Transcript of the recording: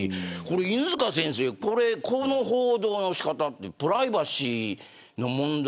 犬塚先生、この報道の仕方プライバシーの問題